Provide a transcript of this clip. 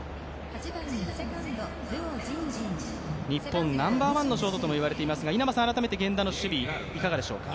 日本ナンバーワンのショートとも言われていますが、改めて源田の守備、いかがでしょうか。